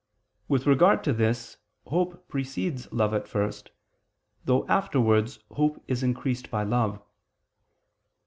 With regard to this, hope precedes love at first; though afterwards hope is increased by love.